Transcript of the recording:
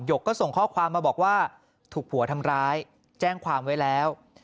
กก็ส่งข้อความมาบอกว่าถูกผัวทำร้ายแจ้งความไว้แล้ว